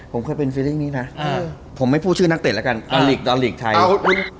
ผมเคยเป็นฟีดิ้งนี้นะผมไม่พูดชื่อนักเตะแล้วกันลีกไทย